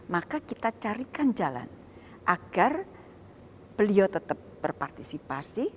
maka kita carikan jalan agar beliau tetap berpartisipasi